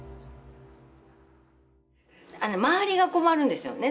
周りが困るんですよね